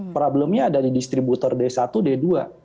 problemnya ada di distributor d satu d dua